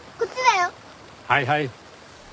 はいはい。